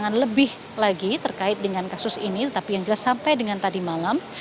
jangan lebih lagi terkait dengan kasus ini tetapi yang jelas sampai dengan tadi malam